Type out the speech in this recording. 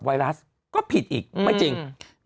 ไวรัสก็ผิดอีกไม่จริง